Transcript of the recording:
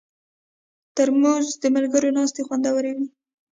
ترموز د ملګرو ناستې خوندوروي.